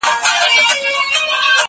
زه هره ورځ مينه څرګندوم!